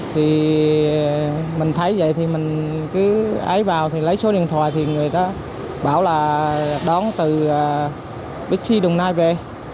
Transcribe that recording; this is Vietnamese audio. thì mình thấy vậy thì mình cứ ái vào thì lấy số điện thoại thì người ta bảo là đón từ bixi đồng nai về